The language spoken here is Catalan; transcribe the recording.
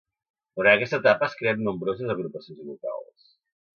Durant aquesta etapa es creen nombroses agrupacions locals.